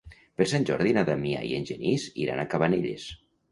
Per Sant Jordi na Damià i en Genís iran a Cabanelles.